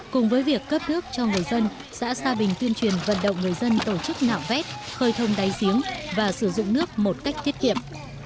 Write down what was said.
cùng với việc cấp nước cho người dân xã sa bình tuyên truyền vận động người dân tổ chức nạo vét khơi thông đáy giếng và sử dụng nước một cách tiết kiệm